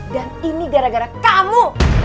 dan ini gara gara kamu